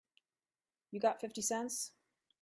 You got fifty cents?